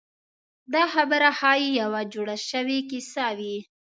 دا خبره ښایي یوه جوړه شوې کیسه وي.